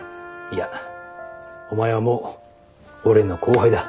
いやお前はもう俺の後輩だ。